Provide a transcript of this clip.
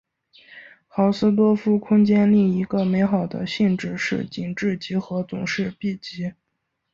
豪斯多夫空间另一个美好的性质是紧致集合总是闭集。